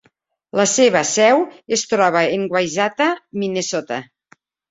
La seva seu es troba en Wayzata, Minnesota.